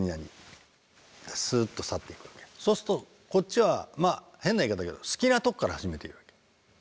そうするとこっちはまあ変な言い方だけど好きなとこから始めていいわけ。